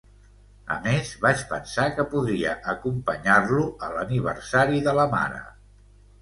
A més, vaig pensar que podria acompanyar-lo a l'aniversari de la mare.